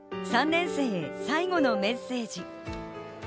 ３年生へ最後のメッセージ。